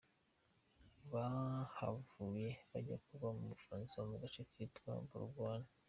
Bahavuye bajya kuba mu Bufaransa mu gace kitwa Bourgogne.